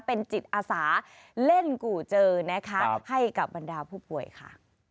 เป็นจิตอาสาเล่นกู่เจอนะคะให้กับบรรดาผู้ป่วยค่ะ